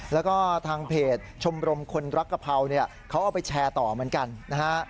แล้วก็ทางเพจชมรมคนรักกะเพราเนี่ยเขาเอาไปแชร์ต่อเหมือนกันนะฮะ